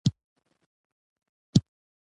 لرغونپوهان د ډبرې د استخراج کره نېټه معلومه کړي.